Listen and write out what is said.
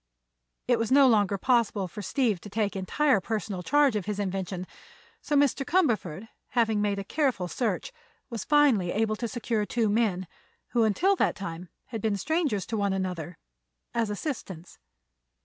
It was no longer possible for Steve to take entire personal charge of his invention, so Mr. Cumberford, having made a careful search, was finally able to secure two men, who until that time had been strangers to one another, as assistants.